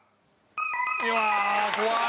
うわ怖い。